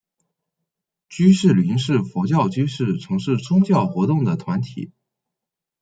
居士林是佛教居士从事宗教活动的团体。